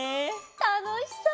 たのしそう！